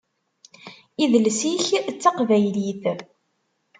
Idles-ik d taqbaylit.